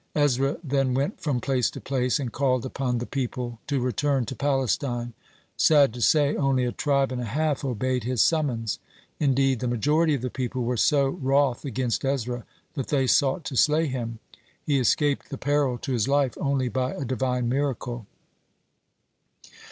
Ezra then went from place to place and called upon the people to return to Palestine. Sad to say, only a tribe and a half obeyed his summons. Indeed, the majority of the people were so wroth against Ezra that they sought to slay him. He escaped the peril to his life only by a Divine miracle.